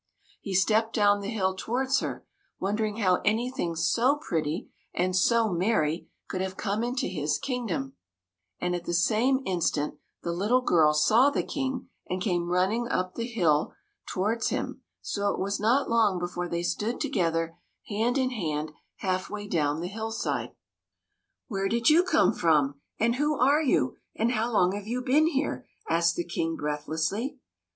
He stepped down the hill towards her, wondering how anything so pretty and so merry could have come into his kingdom; and at the same instant the little girl saw the King and came running up the hill towards him, so it was not long before they stood together, hand in hand, half way down the hillside. "Where did you come from and who are you and how long have you been here?" asked the King, breathlessly.